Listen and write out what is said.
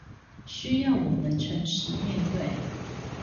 需要我們誠實面對